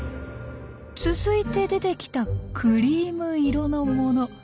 続いて出てきたクリーム色のもの。